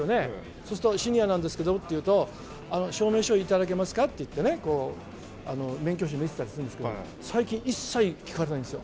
そうすると、シニアなんですけどって言うと、証明書頂けますか？って言ってね、免許証見せたりとかするんですけど、最近、一切聞かれないんですよ。